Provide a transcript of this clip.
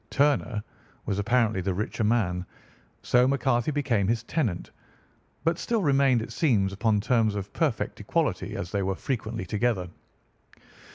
Turner was apparently the richer man, so McCarthy became his tenant but still remained, it seems, upon terms of perfect equality, as they were frequently together.